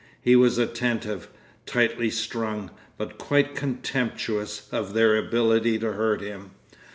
He was attentive, tightly strung, but quite contemptuous of their ability to hurt him.